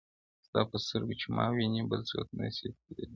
ستا په سترګو چي ما وینې- بل څوک نه سې په لیدلای-